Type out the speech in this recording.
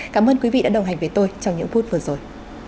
cảm ơn quý vị đã đồng hành với tôi trong những phút vừa rồi